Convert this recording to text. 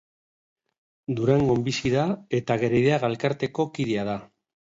Durangon bizi da eta Gerediaga Elkarteko kidea da.